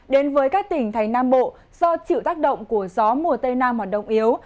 đến với các tỉnh thành nam bộ do chịu tác động của gió mùa tây nam hoạt động yếu